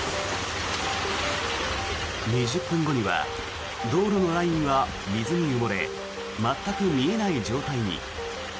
２０分後には道路のラインが水に埋もれ全く見えない状態に。